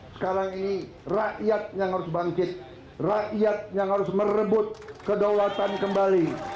sekarang ini rakyat yang harus bangkit rakyat yang harus merebut kedaulatan kembali